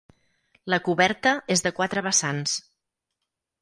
La coberta és de quatre vessants.